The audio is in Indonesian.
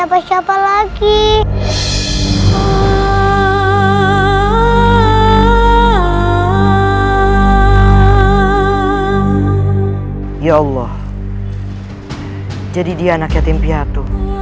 hati bunda selalu tidak tenang